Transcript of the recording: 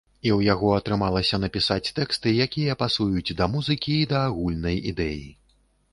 І ў яго атрымалася напісаць тэксты, якія пасуюць да музыкі і да агульнай ідэі.